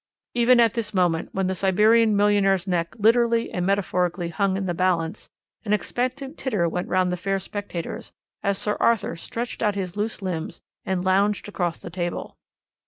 "Even at this moment, when the Siberian millionaire's neck literally and metaphorically hung in the balance, an expectant titter went round the fair spectators as Sir Arthur stretched out his long loose limbs and lounged across the table.